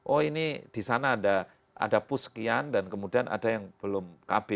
oh ini disana ada pus sekian dan kemudian ada yang belum kabe